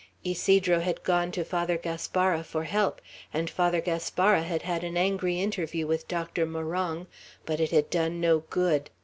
Ysidro had gone to Father Gaspara for help, and Father Gaspara had had an angry interview with Doctor Morong; but it had done no good.